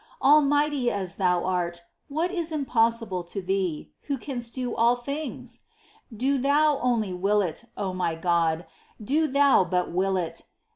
Al mighty as Thou art, what is impossible to Thee, Who canst do all things ? Do Thou only will it, O my God, do Thou but will it